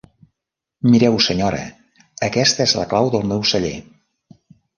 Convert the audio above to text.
Mireu, senyora, aquesta és la clau del meu celler.